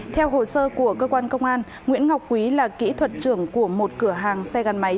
theo hồ sơ của cơ quan công an nguyễn ngọc quý là kỹ thuật trưởng của một cửa hàng xe gắn máy